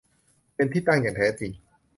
เป็นที่ตั้งอย่างแท้จริง